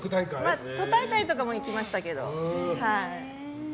都大会とかも行きましたけど。